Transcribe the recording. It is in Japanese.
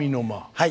はい。